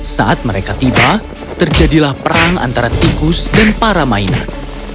saat mereka tiba terjadilah perang antara tikus dan para mainan